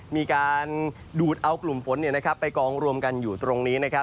มีการดูดเอากลุ่มฝนไปกองรวมกันอยู่ตรงนี้